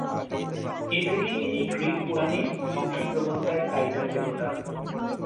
এ থেকেই তিনি গ্রিক পুরাণে ধ্বংস প্রবণতার টাইটান দেবতা।